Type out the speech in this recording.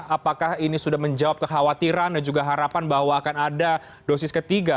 apakah ini sudah menjawab kekhawatiran dan juga harapan bahwa akan ada dosis ketiga